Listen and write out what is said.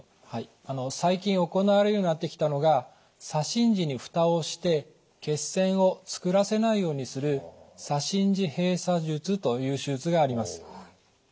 はい最近行われるようになってきたのが左心耳にフタをして血栓をつくらせないようにする左心耳閉鎖術という手術があります。